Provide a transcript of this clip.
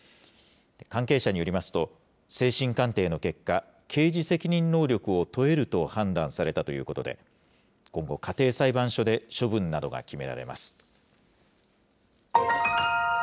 関係者によりますと、精神鑑定の結果、刑事責任能力を問えると判断されたということで、今後、家庭裁判所で処分などが決められます。